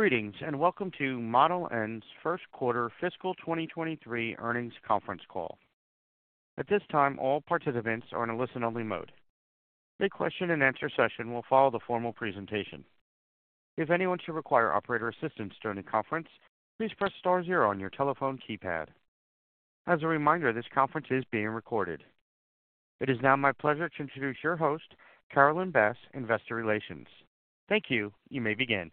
Greetings, and welcome to Model N's first quarter fiscal 2023 earnings conference call. At this time, all participants are in a listen-only mode. A question and answer session will follow the formal presentation. If anyone should require operator assistance during the conference, please press star zero on your telephone keypad. As a reminder, this conference is being recorded. It is now my pleasure to introduce your host, Carolyn Bass, Investor Relations. Thank you. You may begin.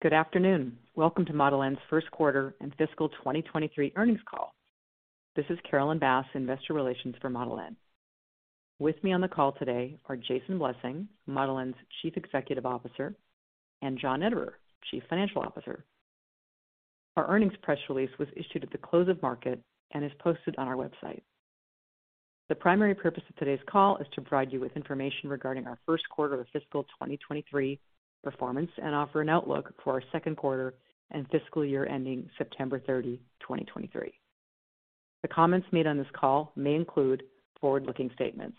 Good afternoon. Welcome to Model N's first quarter and fiscal 2023 earnings call. This is Carolyn Bass, Investor Relations for Model N. With me on the call today are Jason Blessing, Model N's Chief Executive Officer, and John Ederer, Chief Financial Officer. Our earnings press release was issued at the close of market and is posted on our website. The primary purpose of today's call is to provide you with information regarding our first quarter of fiscal 2023 performance and offer an outlook for our second quarter and fiscal year ending September 30, 2023. The comments made on this call may include forward-looking statements.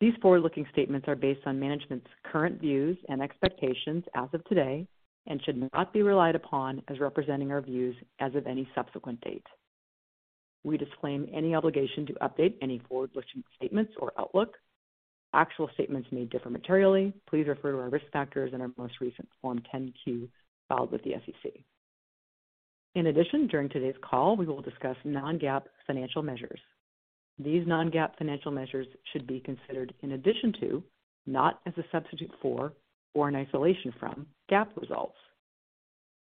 These forward-looking statements are based on management's current views and expectations as of today and should not be relied upon as representing our views as of any subsequent date. We disclaim any obligation to update any forward-looking statements or outlook. Actual statements may differ materially. Please refer to our risk factors and our most recent Form 10-Q filed with the SEC. During today's call, we will discuss non-GAAP financial measures. These non-GAAP financial measures should be considered in addition to, not as a substitute for or an isolation from GAAP results.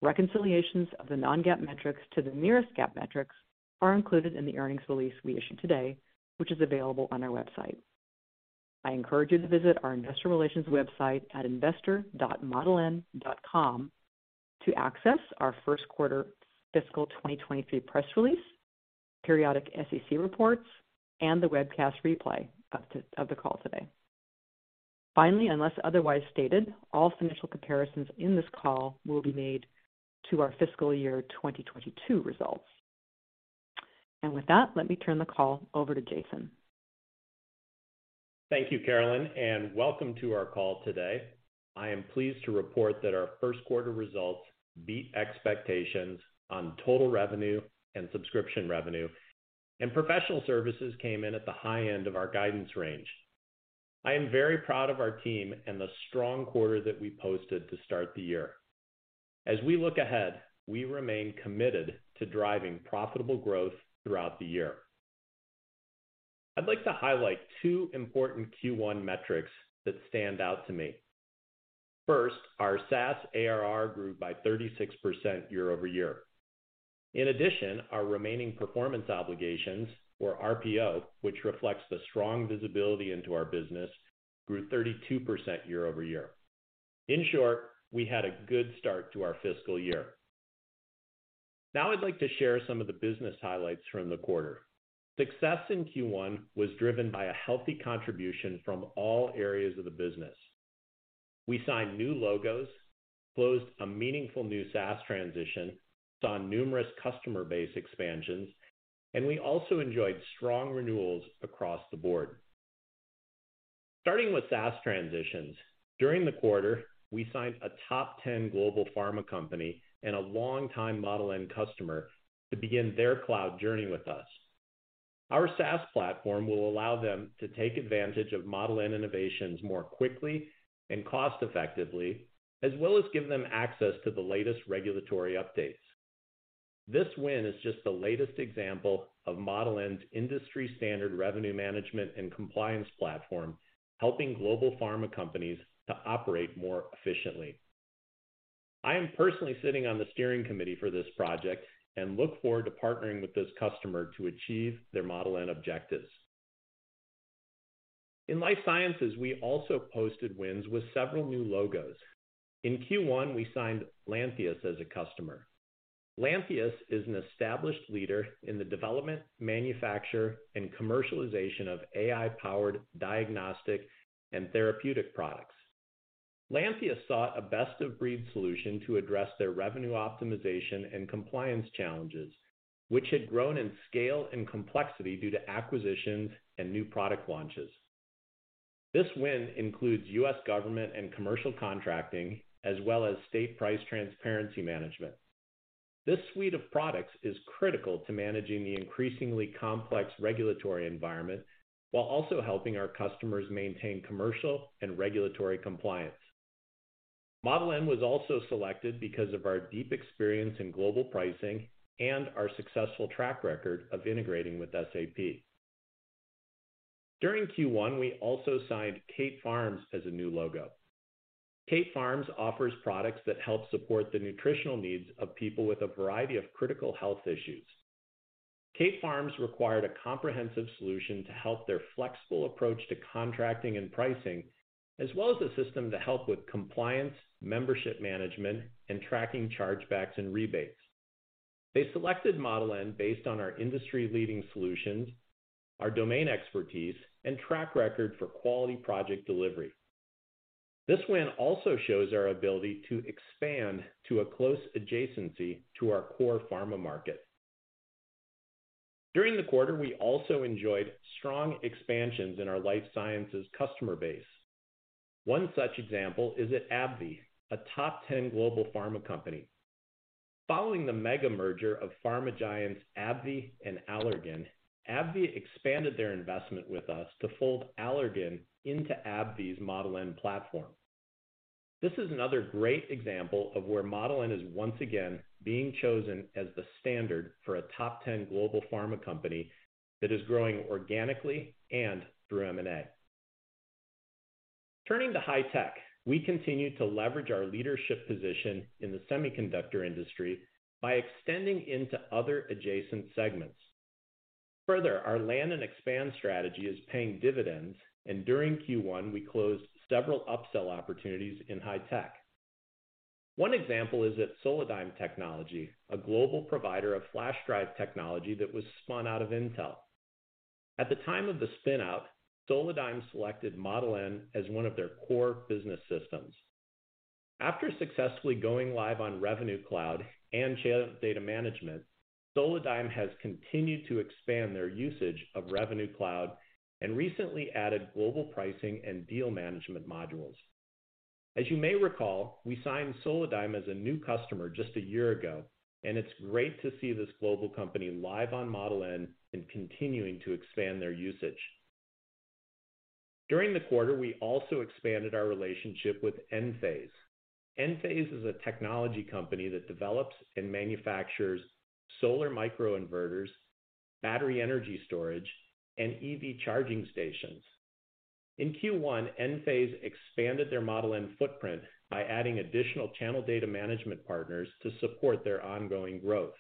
Reconciliations of the non-GAAP metrics to the nearest GAAP metrics are included in the earnings release we issued today, which is available on our website. I encourage you to visit our investor relations website at investor.modeln.com to access our first quarter fiscal 2023 press release, periodic SEC reports, and the webcast replay of the call today. Unless otherwise stated, all financial comparisons in this call will be made to our fiscal year 2022 results. With that, let me turn the call over to Jason. Thank you, Carolyn. Welcome to our call today. I am pleased to report that our first quarter results beat expectations on total revenue and subscription revenue, and professional services came in at the high end of our guidance range. I am very proud of our team and the strong quarter that we posted to start the year. As we look ahead, we remain committed to driving profitable growth throughout the year. I'd like to highlight two important Q1 metrics that stand out to me. First, our SaaS ARR grew by 36% year-over-year. In addition, our remaining performance obligations, or RPO, which reflects the strong visibility into our business, grew 32% year-over-year. In short, we had a good start to our fiscal year. Now I'd like to share some of the business highlights from the quarter. Success in Q1 was driven by a healthy contribution from all areas of the business. We signed new logos, closed a meaningful new SaaS transition, saw numerous customer base expansions, and we also enjoyed strong renewals across the board. Starting with SaaS transitions, during the quarter we signed a top 10 global pharma company and a long-time Model N customer to begin their cloud journey with us. Our SaaS platform will allow them to take advantage of Model N innovations more quickly and cost effectively, as well as give them access to the latest regulatory updates. This win is just the latest example of Model N's industry standard revenue management and compliance platform, helping global pharma companies to operate more efficiently. I am personally sitting on the steering committee for this project and look forward to partnering with this customer to achieve their Model N objectives. In life sciences, we also posted wins with several new logos. In Q1, we signed Lantheus as a customer. Lantheus is an established leader in the development, manufacture, and commercialization of AI-powered diagnostic and therapeutic products. Lantheus sought a best of breed solution to address their revenue optimization and compliance challenges, which had grown in scale and complexity due to acquisitions and new product launches. This win includes U.S. government and commercial contracting as well as State Price Transparency Management. This suite of products is critical to managing the increasingly complex regulatory environment while also helping our customers maintain commercial and regulatory compliance. Model N was also selected because of our deep experience in global pricing and our successful track record of integrating with SAP. During Q1, we also signed Kate Farms as a new logo. Kate Farms offers products that help support the nutritional needs of people with a variety of critical health issues. Kate Farms required a comprehensive solution to help their flexible approach to contracting and pricing as well as a system to help with compliance, membership management, and tracking chargebacks and rebates. They selected Model N based on our industry-leading solutions, our domain expertise, and track record for quality project delivery. This win also shows our ability to expand to a close adjacency to our core pharma market. During the quarter, we also enjoyed strong expansions in our life sciences customer base. One such example is at AbbVie, a top 10 global pharma company. Following the mega merger of pharma giants AbbVie and Allergan, AbbVie expanded their investment with us to fold Allergan into AbbVie's Model N platform. This is another great example of where Model N is once again being chosen as the standard for a top 10 global pharma company that is growing organically and through M&A. Turning to high-tech, we continue to leverage our leadership position in the semiconductor industry by extending into other adjacent segments. Further, our land and expand strategy is paying dividends, and during Q1 we closed several upsell opportunities in high-tech. One example is at Solidigm Technology, a global provider of flash drive technology that was spun out of Intel. At the time of the spin out, Solidigm selected Model N as one of their core business systems. After successfully going live on Revenue Cloud and Channel Data Management, Solidigm has continued to expand their usage of Revenue Cloud and recently added Global Pricing and Deal Management modules. As you may recall, we signed Solidigm as a new customer just a year ago, and it's great to see this global company live on Model N and continuing to expand their usage. During the quarter, we also expanded our relationship with Enphase. Enphase is a technology company that develops and manufactures solar microinverters, battery energy storage, and EV charging stations. In Q1, Enphase expanded their Model N footprint by adding additional Channel Data Management partners to support their ongoing growth.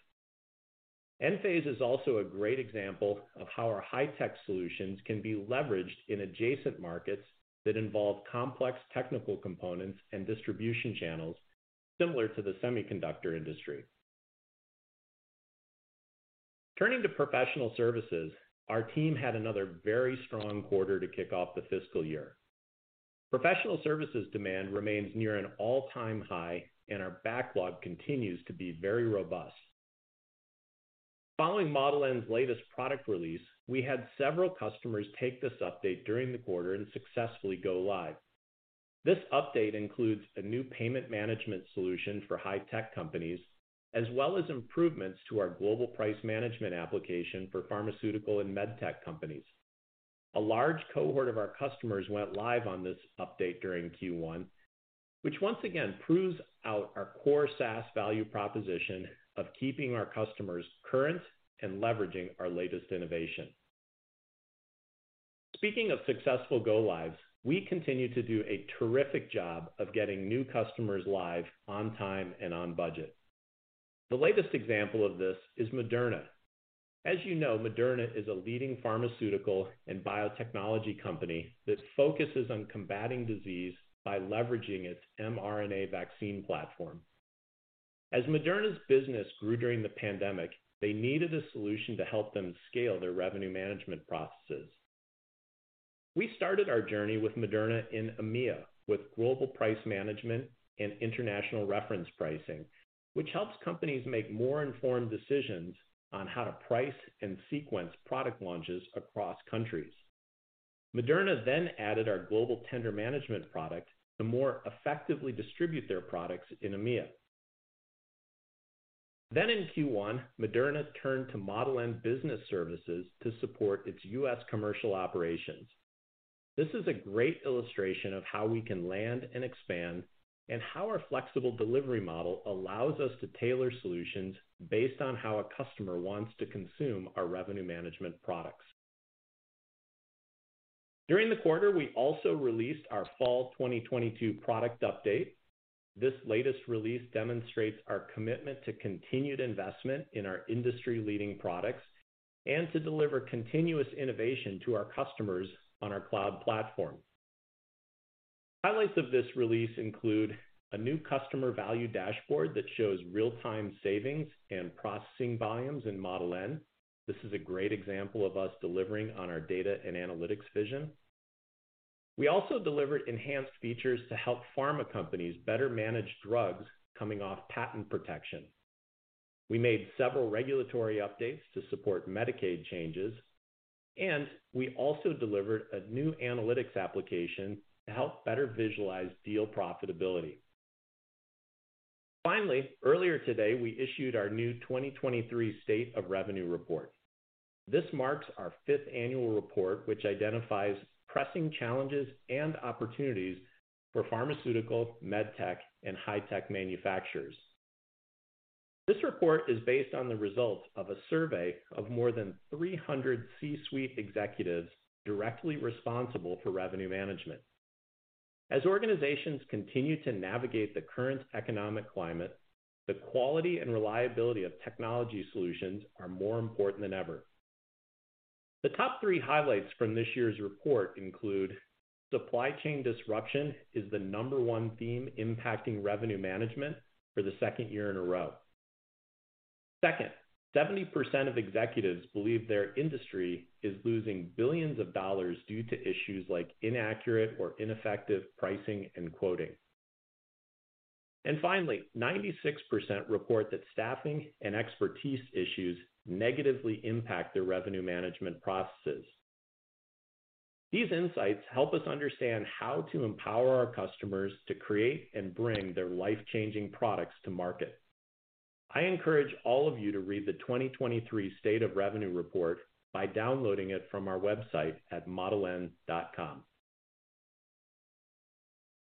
Enphase is also a great example of how our high-tech solutions can be leveraged in adjacent markets that involve complex technical components and distribution channels similar to the semiconductor industry. Turning to professional services, our team had another very strong quarter to kick off the fiscal year. Professional services demand remains near an all-time high, and our backlog continues to be very robust. Following Model N's latest product release, we had several customers take this update during the quarter and successfully go live. This update includes a new Payment Management solution for high-tech companies, as well as improvements to our Global Price Management application for pharmaceutical and medtech companies. A large cohort of our customers went live on this update during Q1, which once again proves out our core SaaS value proposition of keeping our customers current and leveraging our latest innovation. Speaking of successful go lives, we continue to do a terrific job of getting new customers live on time and on budget. The latest example of this is Moderna. As you know, Moderna is a leading pharmaceutical and biotechnology company that focuses on combating disease by leveraging its mRNA vaccine platform. As Moderna's business grew during the pandemic, they needed a solution to help them scale their revenue management processes. We started our journey with Moderna in EMEA with Global Price Management and International Reference Pricing, which helps companies make more informed decisions on how to price and sequence product launches across countries. Moderna then added our Global Tender Management product to more effectively distribute their products in EMEA. In Q1, Moderna turned to Model N Business Services to support its U.S. commercial operations. This is a great illustration of how we can land and expand, and how our flexible delivery model allows us to tailor solutions based on how a customer wants to consume our revenue management products. During the quarter, we also released our fall 2022 product update. This latest release demonstrates our commitment to continued investment in our industry-leading products and to deliver continuous innovation to our customers on our cloud platform. Highlights of this release include a new customer value dashboard that shows real-time savings and processing volumes in Model N. This is a great example of us delivering on our data and analytics vision. We also delivered enhanced features to help pharma companies better manage drugs coming off patent protection. We made several regulatory updates to support Medicaid changes, and we also delivered a new analytics application to help better visualize deal profitability. Finally, earlier today, we issued our new 2023 State of Revenue report. This marks our fifth annual report, which identifies pressing challenges and opportunities for pharmaceutical, medtech, and high-tech manufacturers. This report is based on the results of a survey of more than 300 C-suite executives directly responsible for revenue management. As organizations continue to navigate the current economic climate, the quality and reliability of technology solutions are more important than ever. The top three highlights from this year's report include supply chain disruption is the number one theme impacting revenue management for the second year in a row. Second, 70% of executives believe their industry is losing billions of dollars due to issues like inaccurate or ineffective pricing and quoting. Finally, 96% report that staffing and expertise issues negatively impact their revenue management processes. These insights help us understand how to empower our customers to create and bring their life-changing products to market. I encourage all of you to read the 2023 State of Revenue report by downloading it from our website at modeln.com.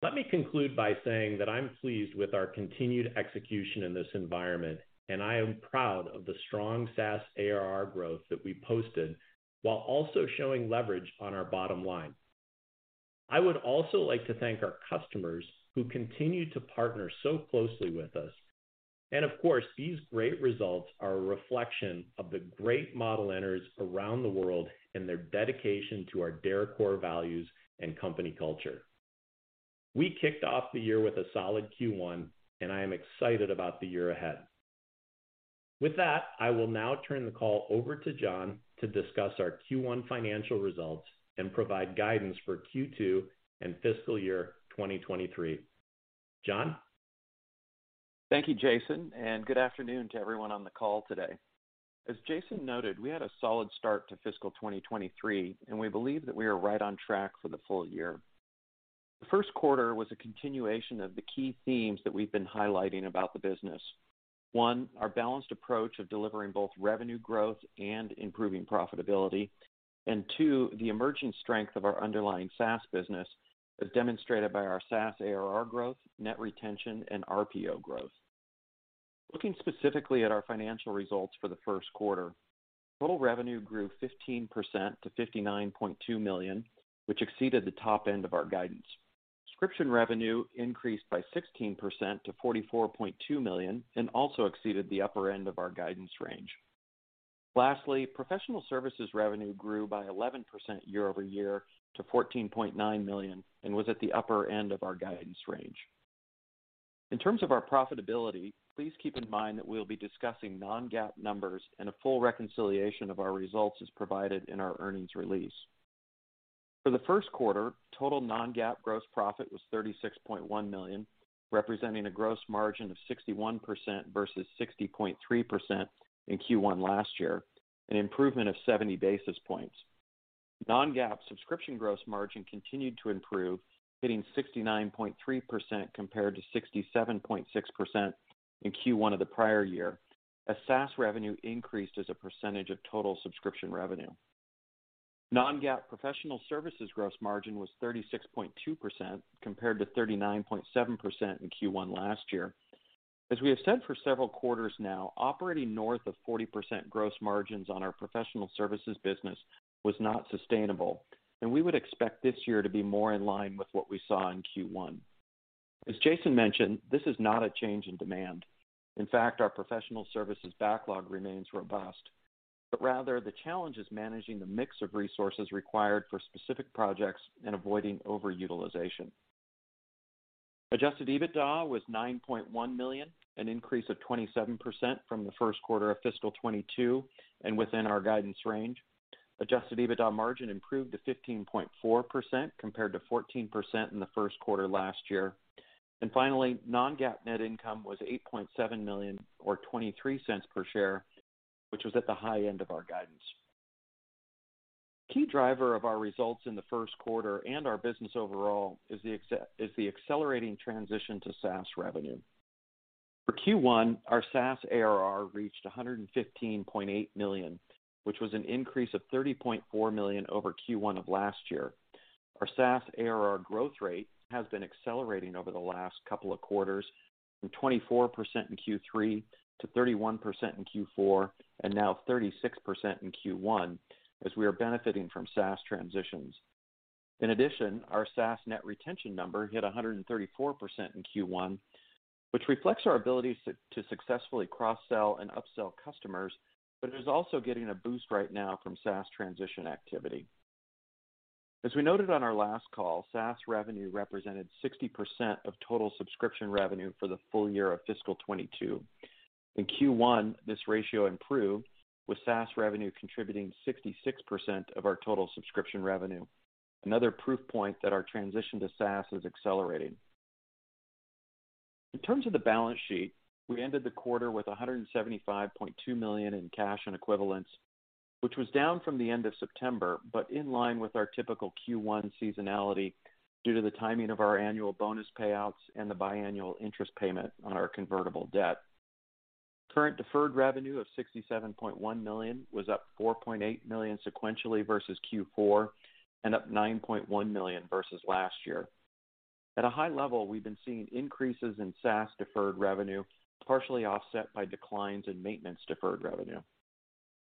Let me conclude by saying that I'm pleased with our continued execution in this environment, and I am proud of the strong SaaS ARR growth that we posted while also showing leverage on our bottom line. I would also like to thank our customers who continue to partner so closely with us. Of course, these great results are a reflection of the great Model N-ers around the world and their dedication to our core values and company culture. We kicked off the year with a solid Q1, and I am excited about the year ahead. With that, I will now turn the call over to John to discuss our Q1 financial results and provide guidance for Q2 and fiscal year 2023. John? Thank you, Jason. Good afternoon to everyone on the call today. As Jason noted, we had a solid start to fiscal 2023, and we believe that we are right on track for the full year. The first quarter was a continuation of the key themes that we've been highlighting about the business. One, our balanced approach of delivering both revenue growth and improving profitability. Two, the emerging strength of our underlying SaaS business, as demonstrated by our SaaS ARR growth, net retention, and RPO growth. Looking specifically at our financial results for the first quarter, total revenue grew 15% to $59.2 million, which exceeded the top end of our guidance. Subscription revenue increased by 16% to $44.2 million and also exceeded the upper end of our guidance range. Lastly, professional services revenue grew by 11% year-over-year to $14.9 million and was at the upper end of our guidance range. In terms of our profitability, please keep in mind that we'll be discussing non-GAAP numbers. A full reconciliation of our results is provided in our earnings release. For the first quarter, total non-GAAP gross profit was $36.1 million, representing a gross margin of 61% versus 63.3% in Q1 last year, an improvement of 70 basis points. Non-GAAP subscription gross margin continued to improve, hitting 69.3% compared to 67.6% in Q1 of the prior year as SaaS revenue increased as a percentage of total subscription revenue. Non-GAAP professional services gross margin was 36.2% compared to 39.7% in Q1 last year. As we have said for several quarters now, operating north of 40% gross margins on our professional services business was not sustainable, and we would expect this year to be more in line with what we saw in Q1. As Jason mentioned, this is not a change in demand. In fact, our professional services backlog remains robust. But rather, the challenge is managing the mix of resources required for specific projects and avoiding overutilization. Adjusted EBITDA was $9.1 million, an increase of 27% from the first quarter of fiscal 2022 and within our guidance range. Adjusted EBITDA margin improved to 15.4% compared to 14% in the first quarter last year. Finally, non-GAAP net income was $8.7 million or $0.23 per share, which was at the high end of our guidance. Key driver of our results in the first quarter and our business overall is the accelerating transition to SaaS revenue. For Q1, our SaaS ARR reached $115.8 million, which was an increase of $30.4 million over Q1 of last year. Our SaaS ARR growth rate has been accelerating over the last couple of quarters, from 24% in Q3 to 31% in Q4, and now 36% in Q1 as we are benefiting from SaaS transitions. In addition, our SaaS net retention number hit 134% in Q1, which reflects our ability to successfully cross-sell and upsell customers, but is also getting a boost right now from SaaS transition activity. As we noted on our last call, SaaS revenue represented 60% of total subscription revenue for the full year of fiscal 2022. In Q1, this ratio improved, with SaaS revenue contributing 66% of our total subscription revenue. Another proof point that our transition to SaaS is accelerating. In terms of the balance sheet, we ended the quarter with $175.2 million in cash and equivalents, which was down from the end of September, but in line with our typical Q1 seasonality due to the timing of our annual bonus payouts and the biannual interest payment on our convertible debt. Current deferred revenue of $67.1 million was up $4.8 million sequentially versus Q4, and up $9.1 million versus last year. At a high level, we've been seeing increases in SaaS deferred revenue, partially offset by declines in maintenance deferred revenue.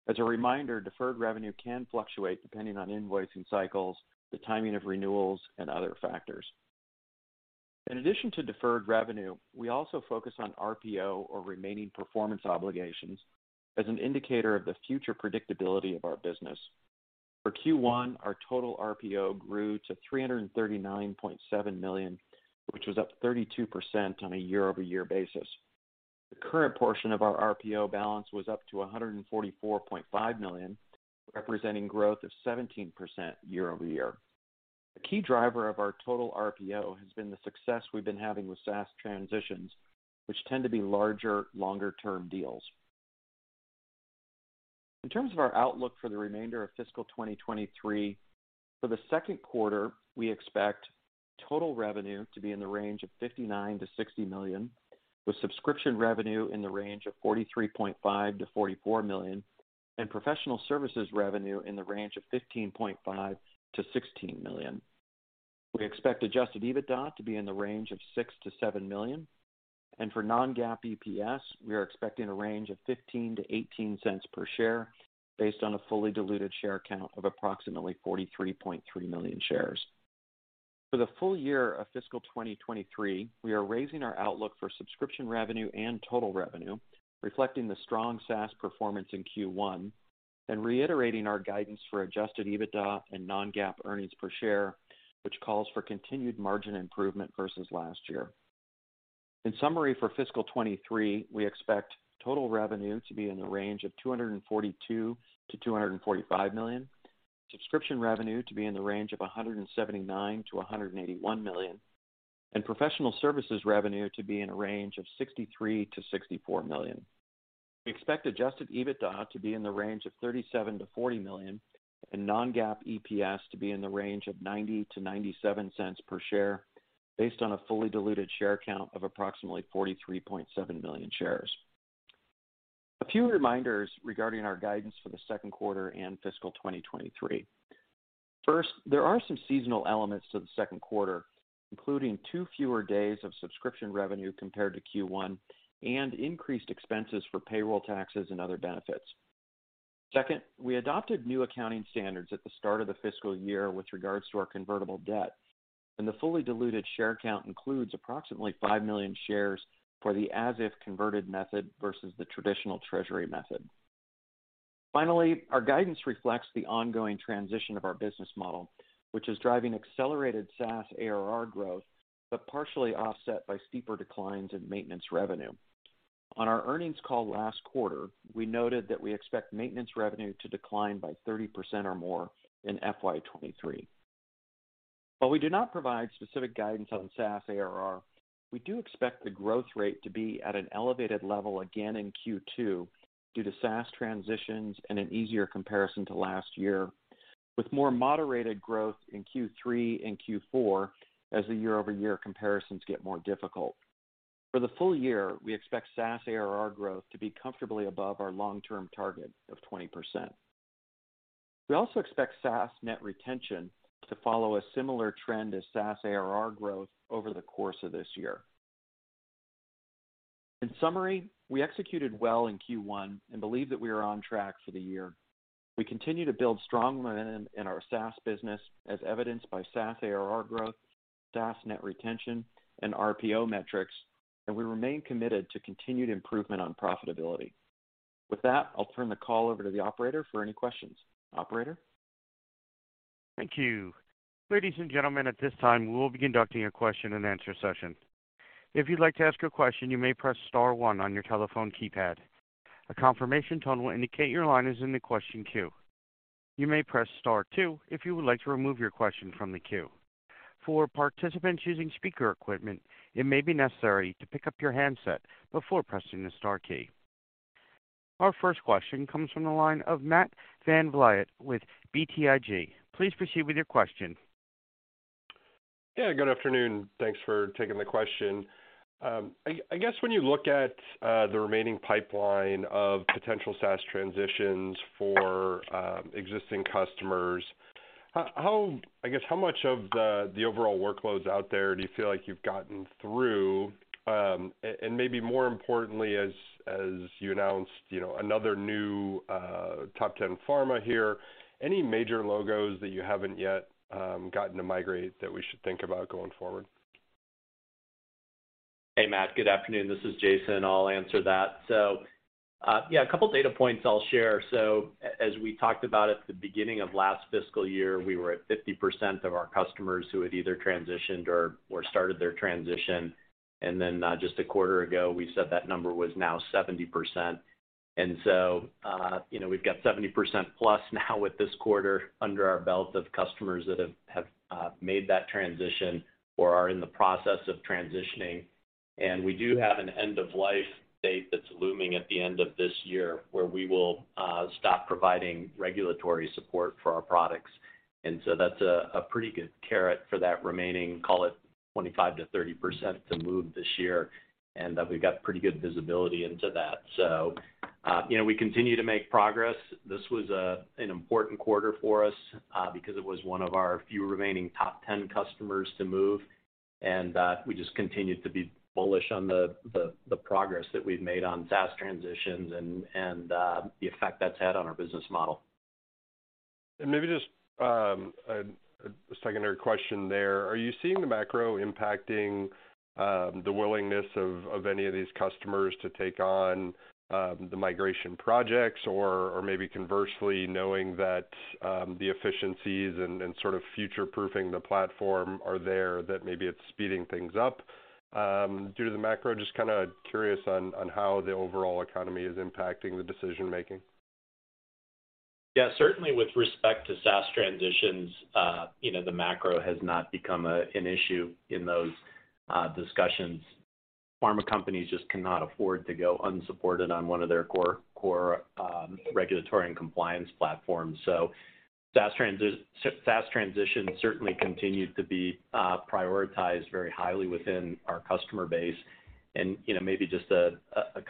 As a reminder, deferred revenue can fluctuate depending on invoicing cycles, the timing of renewals, and other factors. In addition to deferred revenue, we also focus on RPO, or remaining performance obligations, as an indicator of the future predictability of our business. For Q1, our total RPO grew to $339.7 million, which was up 32% on a year-over-year basis. The current portion of our RPO balance was up to $144.5 million, representing growth of 17% year-over-year. The key driver of our total RPO has been the success we've been having with SaaS transitions, which tend to be larger, longer-term deals. In terms of our outlook for the remainder of fiscal 2023, for the second quarter, we expect total revenue to be in the range of $59 million-$60 million, with subscription revenue in the range of $43.5 million-$44 million, and professional services revenue in the range of $15.5 million-$16 million. We expect Adjusted EBITDA to be in the range of $6 million-$7 million. For non-GAAP EPS, we are expecting a range of $0.15-$0.18 per share based on a fully diluted share count of approximately 43.3 million shares. For the full year of fiscal 2023, we are raising our outlook for subscription revenue and total revenue, reflecting the strong SaaS performance in Q1 and reiterating our guidance for Adjusted EBITDA and non-GAAP earnings per share, which calls for continued margin improvement versus last year. In summary, for fiscal 2023, we expect total revenue to be in the range of $242 million-$245 million, subscription revenue to be in the range of $179 million-$181 million, and professional services revenue to be in a range of $63 million-$64 million. We expect Adjusted EBITDA to be in the range of $37 million-$40 million and non-GAAP EPS to be in the range of $0.90-$0.97 per share based on a fully diluted share count of approximately 43.7 million shares. A few reminders regarding our guidance for the second quarter and fiscal 2023. First, there are some seasonal elements to the second quarter, including two fewer days of subscription revenue compared to Q1 and increased expenses for payroll taxes and other benefits. Second, we adopted new accounting standards at the start of the fiscal year with regards to our convertible debt. The fully diluted share count includes approximately 5 million shares for the if-converted method versus the traditional treasury stock method. Finally, our guidance reflects the ongoing transition of our business model, which is driving accelerated SaaS ARR growth, but partially offset by steeper declines in maintenance revenue. On our earnings call last quarter, we noted that we expect maintenance revenue to decline by 30% or more in FY 2023. While we do not provide specific guidance on SaaS ARR, we do expect the growth rate to be at an elevated level again in Q2 due to SaaS transitions and an easier comparison to last year, with more moderated growth in Q3 and Q4 as the year-over-year comparisons get more difficult. For the full year, we expect SaaS ARR growth to be comfortably above our long-term target of 20%. We also expect SaaS net retention to follow a similar trend as SaaS ARR growth over the course of this year. In summary, we executed well in Q1 and believe that we are on track for the year. We continue to build strong momentum in our SaaS business, as evidenced by SaaS ARR growth, SaaS net retention, and RPO metrics, and we remain committed to continued improvement on profitability. With that, I'll turn the call over to the operator for any questions. Operator? Thank you. Ladies and gentlemen, at this time, we will be conducting a question and answer session. If you'd like to ask a question, you may press star one on your telephone keypad. A confirmation tone will indicate your line is in the question queue. You may press star two if you would like to remove your question from the queue. For participants using speaker equipment, it may be necessary to pick up your handset before pressing the star key. Our first question comes from the line of Matt VanVliet with BTIG. Please proceed with your question. Yeah, good afternoon. Thanks for taking the question. I guess when you look at the remaining pipeline of potential SaaS transitions for existing customers, how I guess how much of the overall workloads out there do you feel like you've gotten through? Maybe more importantly, as you announced, you know, another new top 10 pharma here, any major logos that you haven't yet gotten to migrate that we should think about going forward? Hey, Matt. Good afternoon. This is Jason. I'll answer that. Yeah, a couple data points I'll share. As we talked about at the beginning of last fiscal year, we were at 50% of our customers who had either transitioned or started their transition. Then, just a quarter ago, we said that number was now 70%. You know, we've got 70% plus now with this quarter under our belt of customers that have made that transition or are in the process of transitioning. We do have an end of life date that's looming at the end of this year where we will stop providing regulatory support for our products. That's a pretty good carrot for that remaining, call it, 25%-30% to move this year, and that we've got pretty good visibility into that. You know, we continue to make progress. This was an important quarter for us, because it was one of our few remaining top 10 customers to move. We just continued to be bullish on the progress that we've made on SaaS transitions and the effect that's had on our business model. Maybe just a secondary question there. Are you seeing the macro impacting the willingness of any of these customers to take on the migration projects or maybe conversely knowing that the efficiencies and sort of future-proofing the platform are there, that maybe it's speeding things up due to the macro? Just kinda curious on how the overall economy is impacting the decision-making. Yeah. Certainly, with respect to SaaS transitions, you know, the macro has not become an issue in those discussions. Pharma companies just cannot afford to go unsupported on one of their core regulatory and compliance platforms. SaaS transitions certainly continue to be prioritized very highly within our customer base. You know, maybe just a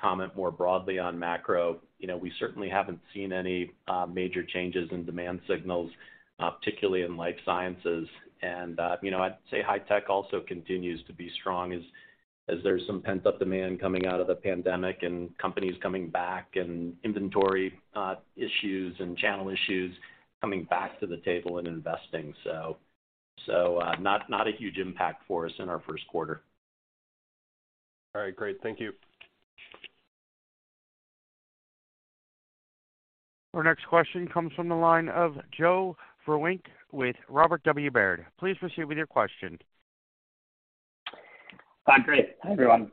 comment more broadly on macro. You know, we certainly haven't seen any major changes in demand signals, particularly in life sciences. You know, I'd say high-tech also continues to be strong as there's some pent-up demand coming out of the pandemic and companies coming back, and inventory issues and channel issues coming back to the table and investing. Not a huge impact for us in our first quarter. All right. Great. Thank you. Our next question comes from the line of Joe Vruwink with Robert W. Baird. Please proceed with your question. Great. Hi, everyone.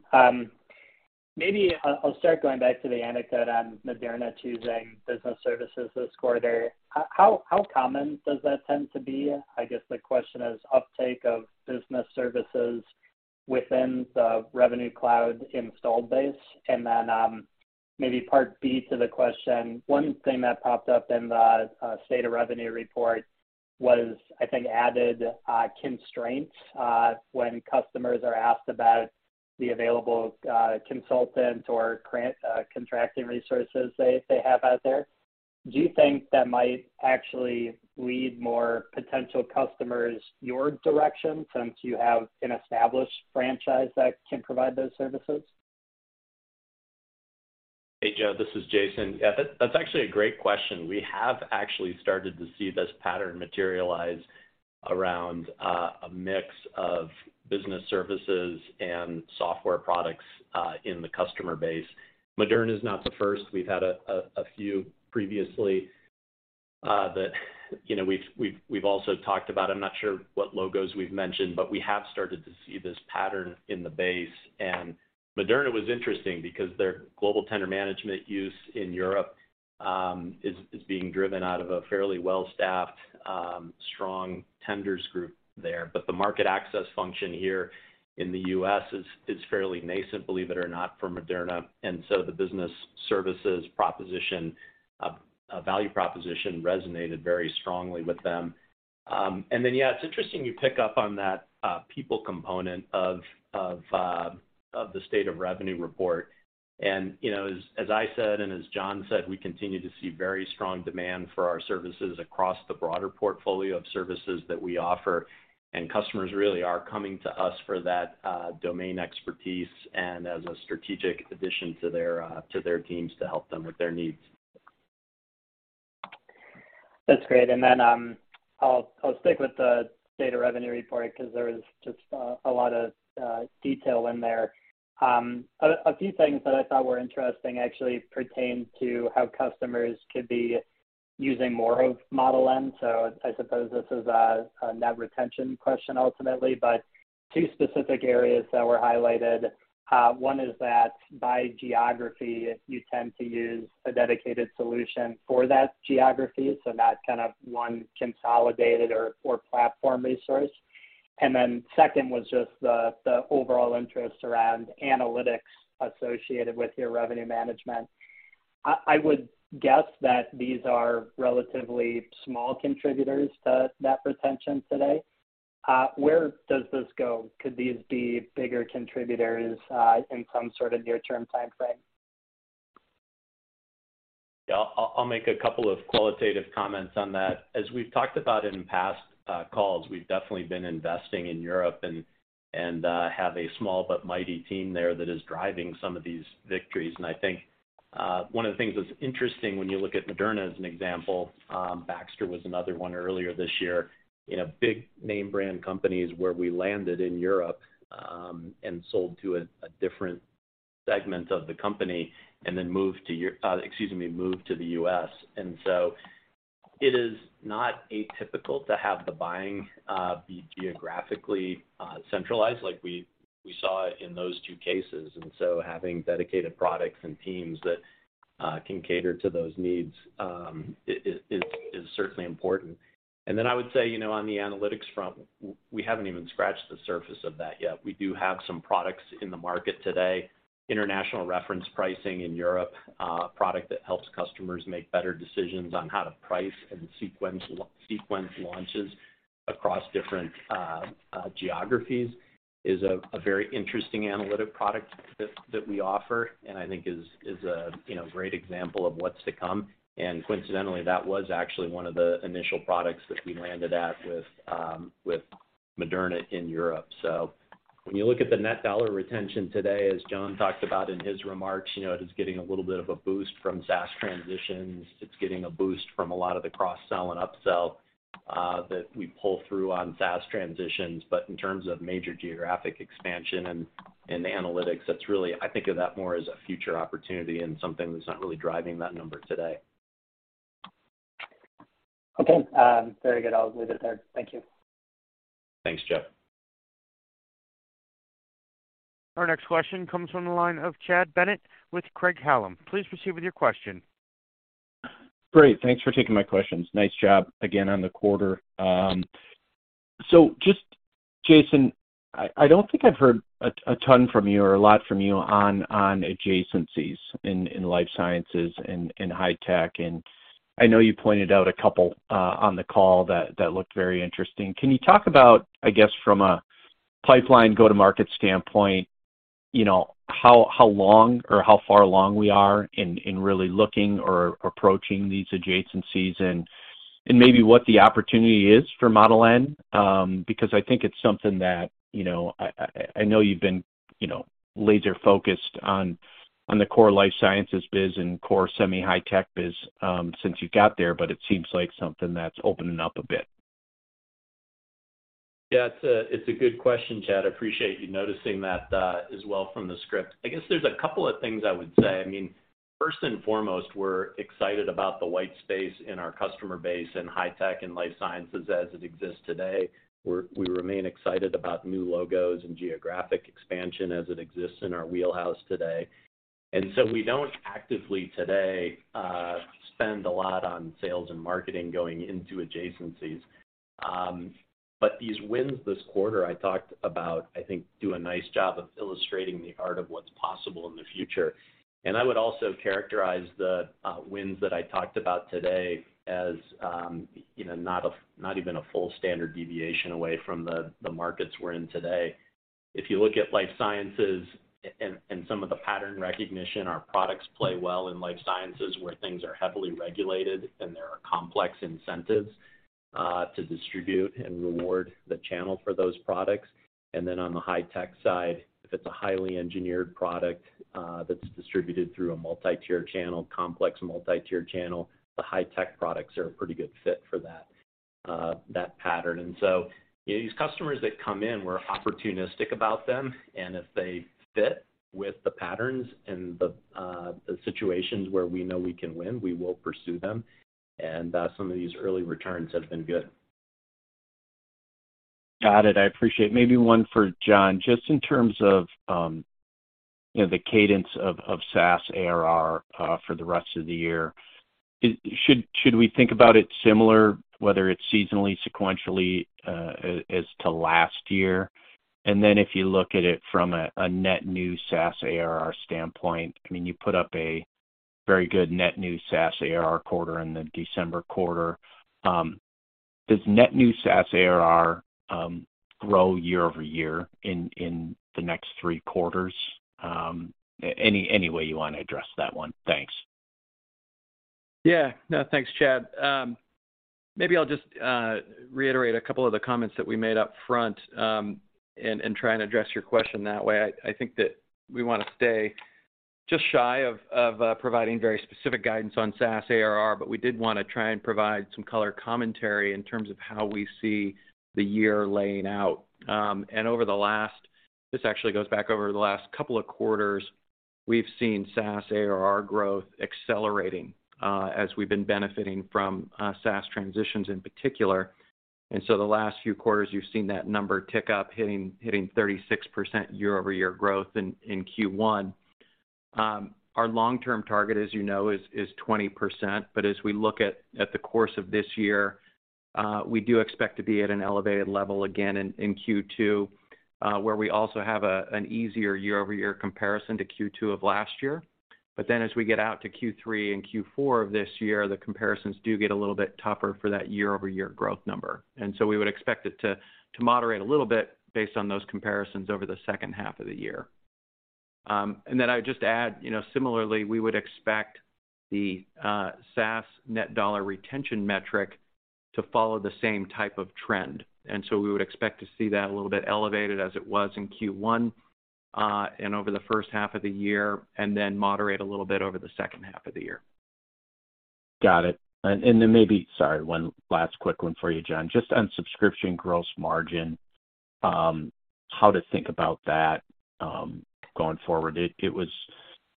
Maybe I'll start going back to the anecdote on Moderna choosing Business Services this quarter. How common does that tend to be? I guess the question is uptake of Business Services within the Revenue Cloud installed base. Maybe part B to the question, one thing that popped up in the State of Revenue report was, I think, added constraints when customers are asked about the available consultant or contracting resources they have out there. Do you think that might actually lead more potential customers your direction, since you have an established franchise that can provide those services? Hey, Joe, this is Jason. That's actually a great question. We have actually started to see this pattern materialize around a mix of business services and software products in the customer base. Moderna is not the first. We've had a few previously that, you know, we've also talked about. I'm not sure what logos we've mentioned, but we have started to see this pattern in the base. Moderna was interesting because their Global Tender Management use in Europe is being driven out of a fairly well-staffed, strong tenders group there. The market access function here in the U.S. is fairly nascent, believe it or not, for Moderna, and so the business services proposition, a value proposition resonated very strongly with them. Then, yeah, it's interesting you pick up on that, people component of the State of Revenue report. You know, as I said, and as John said, we continue to see very strong demand for our services across the broader portfolio of services that we offer, and customers really are coming to us for that, domain expertise and as a strategic addition to their, to their teams to help them with their needs. That's great. I'll stick with the data revenue report 'cause there was just a lot of detail in there. A few things that I thought were interesting actually pertained to how customers could be using more of Model N. I suppose this is a net retention question ultimately, but two specific areas that were highlighted. One is that by geography, you tend to use a dedicated solution for that geography, so not kind of one consolidated or platform resource. Second was just the overall interest around analytics associated with your revenue management. I would guess that these are relatively small contributors to net retention today. Where does this go? Could these be bigger contributors in some sort of near-term timeframe? Yeah. I'll make a couple of qualitative comments on that. As we've talked about in past calls, we've definitely been investing in Europe and have a small but mighty team there that is driving some of these victories. I think, one of the things that's interesting when you look at Moderna as an example, Baxter was another one earlier this year, you know, big name brand companies where we landed in Europe, and sold to a different segment of the company and then moved to excuse me, moved to the U.S. It is not atypical to have the buying be geographically centralized like we saw in those two cases. Having dedicated products and teams that can cater to those needs, is certainly important. I would say, you know, on the analytics front, we haven't even scratched the surface of that yet. We do have some products in the market today, international reference pricing in Europe, a product that helps customers make better decisions on how to price and sequence launches across different geographies, is a very interesting analytic product that we offer and I think is a, you know, great example of what's to come. Coincidentally, that was actually one of the initial products that we landed at with Moderna in Europe. When you look at the net dollar retention today, as John talked about in his remarks, you know, it is getting a little bit of a boost from SaaS transitions. It's getting a boost from a lot of the cross-sell and upsell That we pull through on SaaS transitions. In terms of major geographic expansion and analytics, that's really. I think of that more as a future opportunity and something that's not really driving that number today. Okay. very good. I'll leave it there. Thank you. Thanks, Joe. Our next question comes from the line of Chad Bennett with Craig-Hallum. Please proceed with your question. Great. Thanks for taking my questions. Nice job again on the quarter. Just, Jason, I don't think I've heard a ton from you or a lot from you on adjacencies in life sciences and high tech, and I know you pointed out a couple on the call that looked very interesting. Can you talk about, I guess, from a pipeline go-to-market standpoint, you know, how long or how far along we are in really looking or approaching these adjacencies and maybe what the opportunity is for Model N, because I think it's something that, you know, I, I know you've been, you know, laser focused on the core life sciences biz and core semi-high tech biz, since you got there, but it seems like something that's opening up a bit. Yeah, it's a, it's a good question, Chad. I appreciate you noticing that, as well from the script. I guess there's a couple of things I would say. I mean, first and foremost, we're excited about the white space in our customer base in high tech and life sciences as it exists today. We remain excited about new logos and geographic expansion as it exists in our wheelhouse today. We don't actively today spend a lot on sales and marketing going into adjacencies. But these wins this quarter I talked about, I think do a nice job of illustrating the art of what's possible in the future. I would also characterize the wins that I talked about today as, you know, not even a full standard deviation away from the markets we're in today. If you look at life sciences and some of the pattern recognition, our products play well in life sciences where things are heavily regulated and there are complex incentives to distribute and reward the channel for those products. Then on the high tech side, if it's a highly engineered product, that's distributed through a multi-tier channel, complex multi-tier channel, the high tech products are a pretty good fit for that pattern. So these customers that come in, we're opportunistic about them, and if they fit with the patterns and the situations where we know we can win, we will pursue them. Some of these early returns have been good. Got it. I appreciate. Maybe one for John. Just in terms of, you know, the cadence of SaaS ARR for the rest of the year, should we think about it similar, whether it's seasonally, sequentially, as to last year? If you look at it from a net new SaaS ARR standpoint, I mean, you put up a very good net new SaaS ARR quarter in the December quarter. Does net new SaaS ARR grow year over year in the next three quarters? Any way you wanna address that one? Thanks. Yeah. No, thanks, Chad. Maybe I'll just reiterate a couple of the comments that we made up front, and try and address your question that way. I think that we wanna stay just shy of providing very specific guidance on SaaS ARR, but we did wanna try and provide some color commentary in terms of how we see the year laying out. This actually goes back over the last couple of quarters, we've seen SaaS ARR growth accelerating, as we've been benefiting from SaaS transitions in particular. The last few quarters, you've seen that number tick up, hitting 36% year-over-year growth in Q1. Our long-term target, as you know, is 20%. As we look at the course of this year, we do expect to be at an elevated level again in Q2, where we also have an easier year-over-year comparison to Q2 of last year. As we get out to Q3 and Q4 of this year, the comparisons do get a little bit tougher for that year-over-year growth number. We would expect it to moderate a little bit based on those comparisons over the second half of the year. I would just add, you know, similarly, we would expect the SaaS net dollar retention metric to follow the same type of trend. We would expect to see that a little bit elevated as it was in Q1, and over the first half of the year, and then moderate a little bit over the second half of the year. Got it. Maybe, sorry, one last quick one for you, John. Just on subscription gross margin, how to think about that going forward?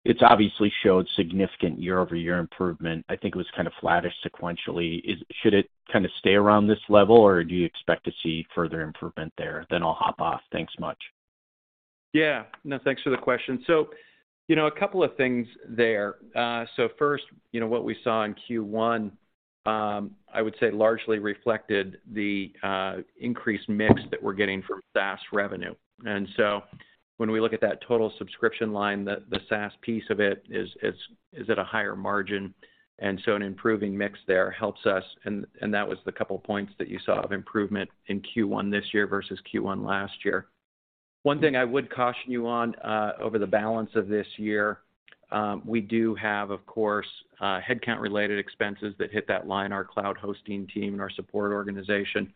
It's obviously showed significant year-over-year improvement. I think it was kind of flattish sequentially. Should it kinda stay around this level, or do you expect to see further improvement there? I'll hop off. Thanks much. Yeah. No, thanks for the question. You know, a couple of things there. First, you know, what we saw in Q1, I would say largely reflected the increased mix that we're getting from SaaS revenue. When we look at that total subscription line, the SaaS piece of it is at a higher margin. An improving mix there helps us, and that was the couple of points that you saw of improvement in Q1 this year versus Q1 last year. One thing I would caution you on over the balance of this year, we do have, of course, headcount related expenses that hit that line, our cloud hosting team and our support organization.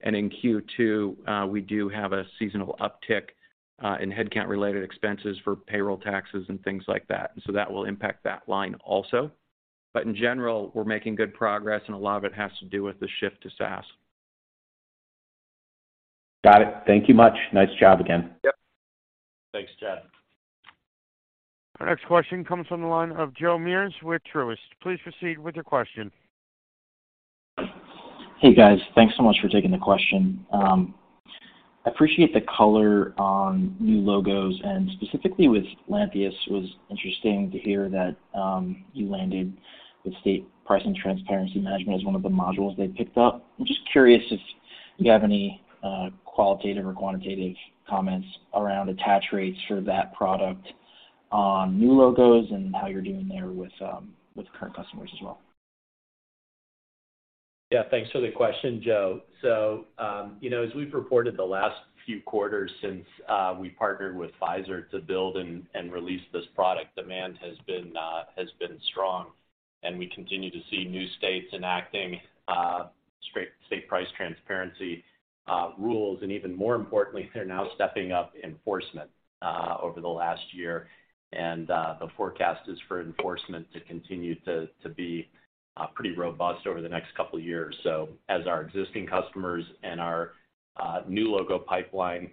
In Q2, we do have a seasonal uptick in headcount-related expenses for payroll taxes and things like that. That will impact that line also. In general, we're making good progress, and a lot of it has to do with the shift to SaaS. Got it. Thank you much. Nice job again. Yep. Thanks, Chad. Our next question comes from the line of Joe Meares with Truist. Please proceed with your question. Hey, guys. Thanks so much for taking the question. I appreciate the color on new logos, and specifically with Lantheus, it was interesting to hear that you landed with State Price and Transparency Management as one of the modules they picked up. I'm just curious if you have any qualitative or quantitative comments around attach rates for that product on new logos and how you're doing there with current customers as well. Yeah. Thanks for the question, Joe. You know, as we've reported the last few quarters since we partnered with Pfizer to build and release this product, demand has been strong. We continue to see new states enacting State Price Transparency rules. Even more importantly, they're now stepping up enforcement over the last year. The forecast is for enforcement to continue to be pretty robust over the next couple of years. As our existing customers and our new logo pipeline,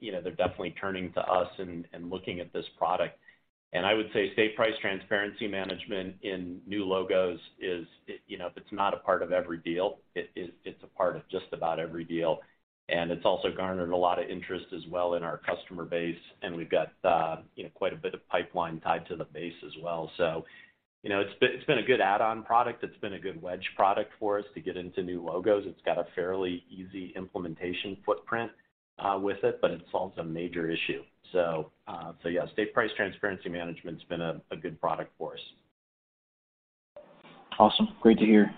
you know, they're definitely turning to us and looking at this product. I would say State Price Transparency Management in new logos is, you know, if it's not a part of every deal, it's a part of just about every deal. It's also garnered a lot of interest as well in our customer base, and we've got, you know, quite a bit of pipeline tied to the base as well. You know, it's been, it's been a good add-on product. It's been a good wedge product for us to get into new logos. It's got a fairly easy implementation footprint with it, but it solves a major issue. Yeah, State Price Transparency Management has been a good product for us. Awesome. Great to hear.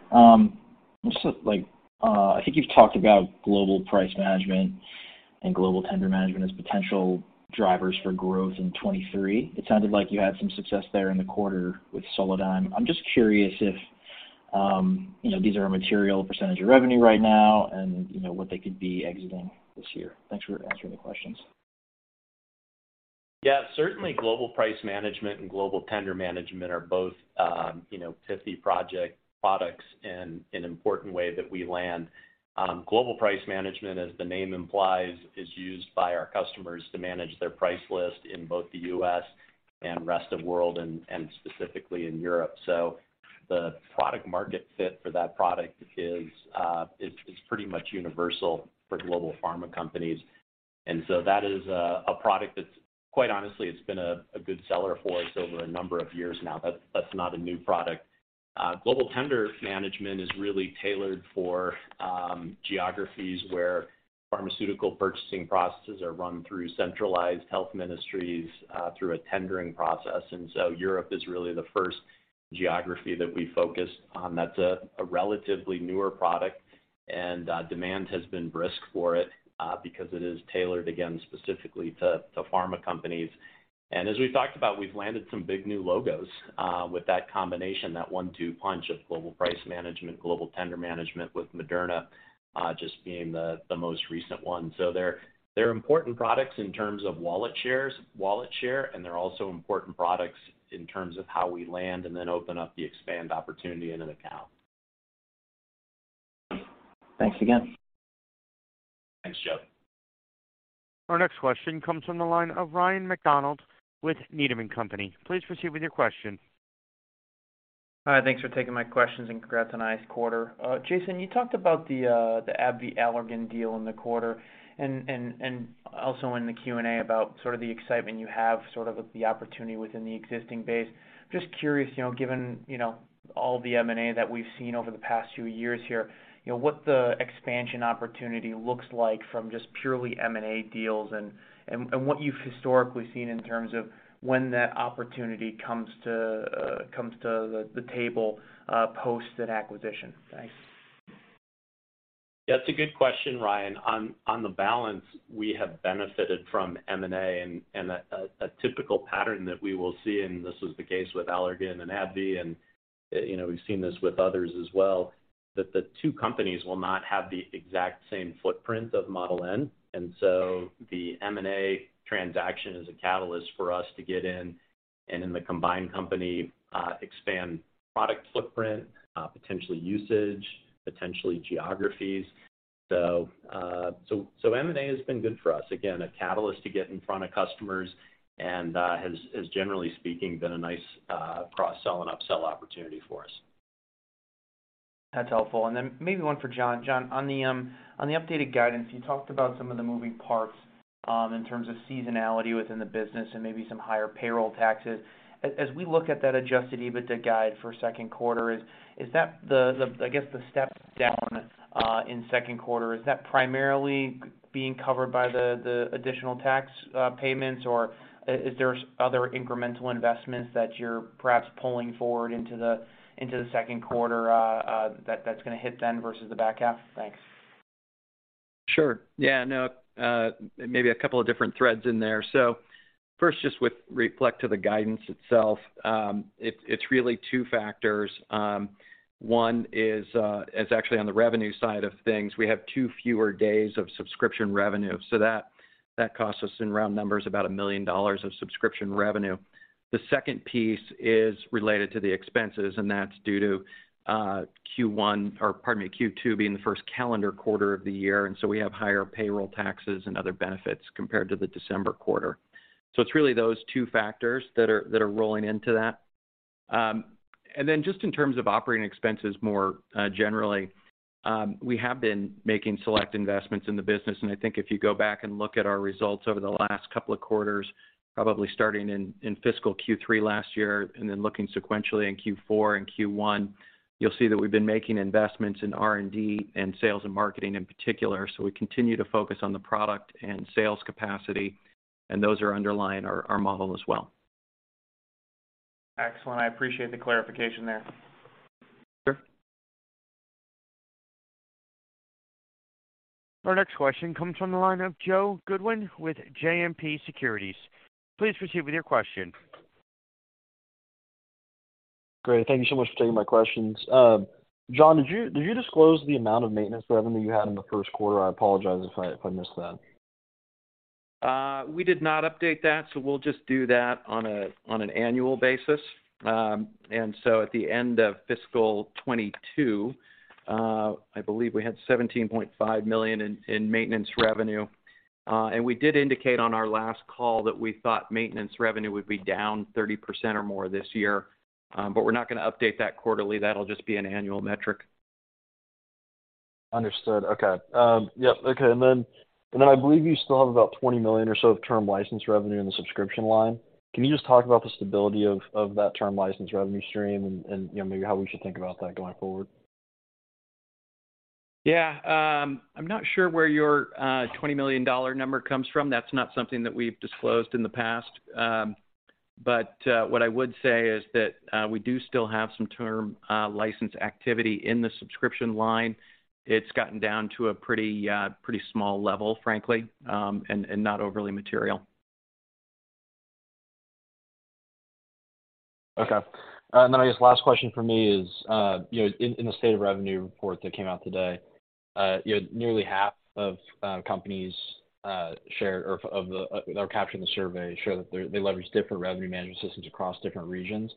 Just like, I think you've talked about Global Price Management and Global Tender Management as potential drivers for growth in 2023. It sounded like you had some success there in the quarter with Solidigm. I'm just curious if, you know, these are a material % of revenue right now and you know, what they could be exiting this year. Thanks for answering the questions. Yeah. Certainly, Global Price Management and Global Tender Management are both, you know, 50 project products and an important way that we land. Global Price Management, as the name implies, is used by our customers to manage their price list in both the U.S. and rest of world and specifically in Europe. The product market fit for that product is pretty much universal for global pharma companies. That is a product that's, quite honestly, it's been a good seller for us over a number of years now. That's not a new product. Global Tender Management is really tailored for geographies where pharmaceutical purchasing processes are run through centralized health ministries, through a tendering process. Europe is really the first geography that we focus on. That's a relatively newer product, and demand has been brisk for it, because it is tailored, again, specifically to pharma companies. As we've talked about, we've landed some big new logos, with that combination, that one-two punch of Global Price Management, Global Tender Management, with Moderna, just being the most recent one. They're important products in terms of wallet share, and they're also important products in terms of how we land and then open up the expand opportunity in an account. Thanks again. Thanks, Joe. Our next question comes from the line of Ryan MacDonald with Needham & Company. Please proceed with your question. Hi. Thanks for taking my questions. Congrats on a nice quarter. Jason, you talked about the AbbVie-Allergan deal in the quarter and also in the Q&A about sort of the excitement you have sort of with the opportunity within the existing base. Just curious, you know, given, you know, all the M&A that we've seen over the past few years here, you know, what the expansion opportunity looks like from just purely M&A deals and what you've historically seen in terms of when that opportunity comes to the table post that acquisition. Thanks. That's a good question, Ryan. On the balance, we have benefited from M&A and a typical pattern that we will see, and this was the case with Allergan and AbbVie, and, you know, we've seen this with others as well, that the two companies will not have the exact same footprint of Model N. The M&A transaction is a catalyst for us to get in, and in the combined company, expand product footprint, potentially usage, potentially geographies. M&A has been good for us. Again, a catalyst to get in front of customers and has generally speaking, been a nice cross-sell and upsell opportunity for us. That's helpful. Then maybe one for John. John, on the updated guidance, you talked about some of the moving parts in terms of seasonality within the business and maybe some higher payroll taxes. As we look at that Adjusted EBITDA guide for second quarter, is that the, I guess, the step down in second quarter, is that primarily being covered by the additional tax payments, or is there other incremental investments that you're perhaps pulling forward into the second quarter that's gonna hit then versus the back half? Thanks. Sure. Yeah, no, maybe a couple of different threads in there. First, just with reflect to the guidance itself, it's really two factors. One is actually on the revenue side of things. We have two fewer days of subscription revenue, so that costs us, in round numbers, about a million dollar of subscription revenue. The second piece is related to the expenses, and that's due to Q1 or pardon me, Q2 being the first calendar quarter of the year, we have higher payroll taxes and other benefits compared to the December quarter. It's really those two factors that are rolling into that. Then just in terms of operating expenses more generally, we have been making select investments in the business, and I think if you go back and look at our results over the last couple of quarters, probably starting in fiscal Q3 last year and then looking sequentially in Q4 and Q1, you'll see that we've been making investments in R&D and sales and marketing in particular. We continue to focus on the product and sales capacity, and those are underlying our model as well. Excellent. I appreciate the clarification there. Sure. Our next question comes from the line of Joe Goodwin with JMP Securities. Please proceed with your question. Great. Thank you so much for taking my questions. John, did you disclose the amount of maintenance revenue you had in the first quarter? I apologize if I missed that. We did not update that. We'll just do that on an annual basis. At the end of fiscal 2022, I believe we had $17.5 million in maintenance revenue. We did indicate on our last call that we thought maintenance revenue would be down 30% or more this year. We're not gonna update that quarterly. That'll just be an annual metric. Understood. Okay. yep. Okay. and then I believe you still have about $20 million or so of term license revenue in the subscription line. Can you just talk about the stability of that term license revenue stream and, you know, maybe how we should think about that going forward? Yeah. I'm not sure where your $20 million number comes from. That's not something that we've disclosed in the past. What I would say is that we do still have some term license activity in the subscription line. It's gotten down to a pretty small level, frankly, and not overly material. Okay. I guess last question from me is, you know, in the State of Revenue report that came out today, you know, nearly half of companies that are captured in the survey show that they leverage different revenue management systems across different regions.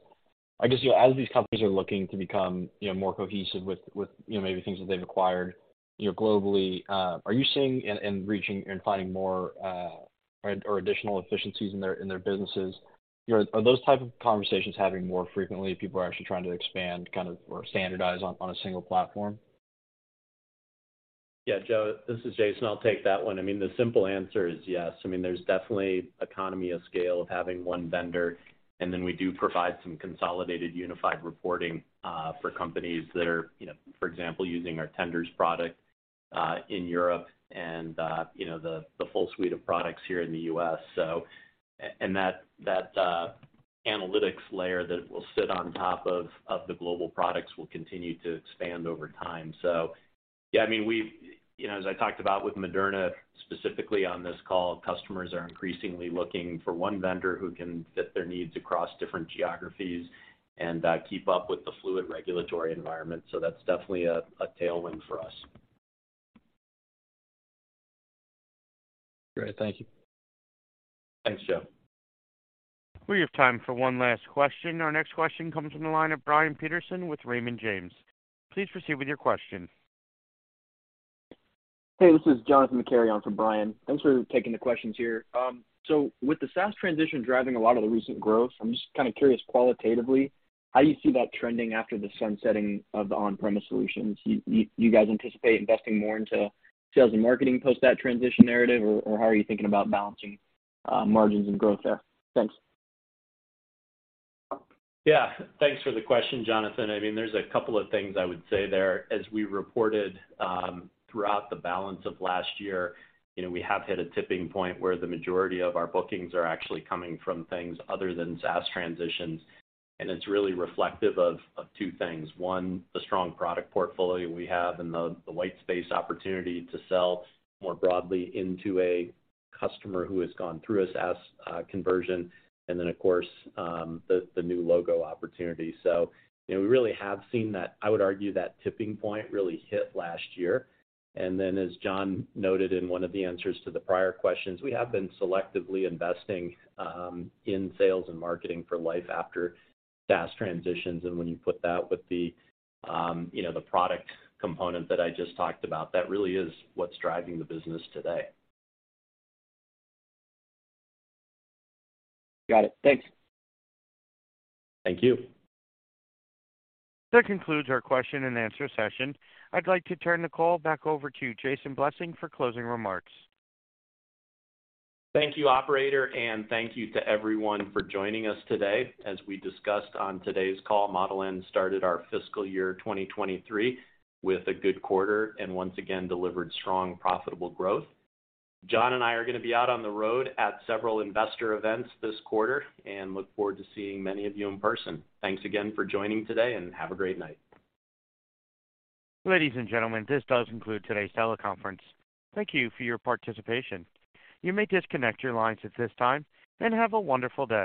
I guess, you know, as these companies are looking to become, you know, more cohesive with, you know, maybe things that they've acquired, you know, globally, are you seeing and reaching and finding more or additional efficiencies in their, in their businesses? You know, are those type of conversations happening more frequently, people are actually trying to expand kind of or standardize on a single platform? Yeah. Joe, this is Jason. I'll take that one. I mean, the simple answer is yes. I mean, there's definitely economy of scale of having one vendor, and then we do provide some consolidated unified reporting for companies that are, you know, for example, using our tenders product in Europe and, you know, the full suite of products here in the U.S. And that analytics layer that will sit on top of the global products will continue to expand over time. Yeah, I mean, we. You know, as I talked about with Moderna specifically on this call, customers are increasingly looking for one vendor who can fit their needs across different geographies and keep up with the fluid regulatory environment, so that's definitely a tailwind for us. Great. Thank you. Thanks, Joe. We have time for one last question. Our next question comes from the line of Brian Peterson with Raymond James. Please proceed with your question. Hey, this is Johnathan McCary on for Brian. Thanks for taking the questions here. With the SaaS transition driving a lot of the recent growth, I'm just kinda curious qualitatively how you see that trending after the sun setting of the on-premise solutions. You guys anticipate investing more into sales and marketing post that transition narrative or how are you thinking about balancing margins and growth there? Thanks. Thanks for the question, Johnathan. I mean, there's a couple of things I would say there. As we reported, throughout the balance of last year, you know, we have hit a tipping point where the majority of our bookings are actually coming from things other than SaaS transitions, and it's really reflective of two things. One, the strong product portfolio we have and the white space opportunity to sell more broadly into a customer who has gone through a SaaS conversion, and then, of course, the new logo opportunity. You know, we really have seen that. I would argue that tipping point really hit last year. As John noted in one of the answers to the prior questions, we have been selectively investing in sales and marketing for life after SaaS transitions. When you put that with the, you know, the product component that I just talked about, that really is what's driving the business today. Got it. Thanks. Thank you. That concludes our question and answer session. I'd like to turn the call back over to Jason Blessing for closing remarks. Thank you, operator. Thank you to everyone for joining us today. As we discussed on today's call, Model N started our fiscal year 2023 with a good quarter and once again delivered strong profitable growth. John and I are gonna be out on the road at several investor events this quarter, and look forward to seeing many of you in person. Thanks again for joining today, and have a great night. Ladies and gentlemen, this does conclude today's teleconference. Thank you for your participation. You may disconnect your lines at this time, and have a wonderful day.